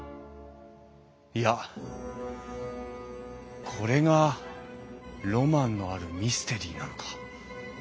いやこれがロマンのあるミステリーなのか。